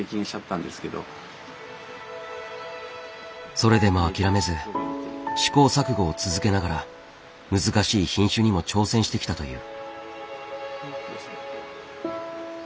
それでも諦めず試行錯誤を続けながら難しい品種にも挑戦してきたという。